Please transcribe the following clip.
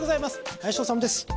林修です。